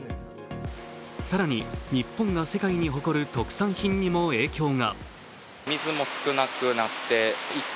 更に、日本が世界に誇る特産品にも影響が。